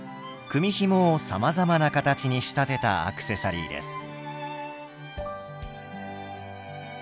組みひもをさまざまな形に仕立てたアクセサリーです。